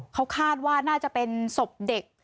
เขาคาดว่าน่าจะเป็นศพเด็ก